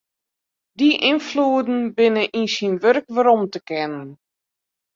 Dy ynfloeden binne yn syn wurk werom te kennen.